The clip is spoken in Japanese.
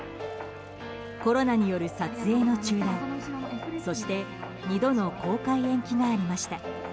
コロナによる撮影の中断そして２度の公開延期がありました。